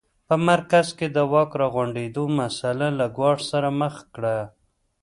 په مرکز کې د واک راغونډېدو مسٔله له ګواښ سره مخ کړه.